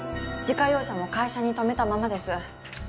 自家用車も会社に止めたままです。